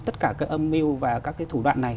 tất cả cái âm mưu và các thủ đoạn này